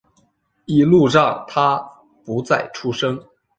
一路上他不再出声